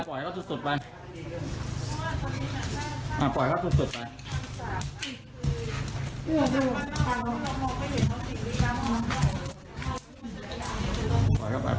ปล่อยเข้าสุดสุดไปอ่าปล่อยเข้าสุดสุดไป